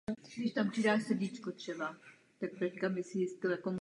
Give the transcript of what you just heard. O rok později následovalo druhé album "Sedmkrát".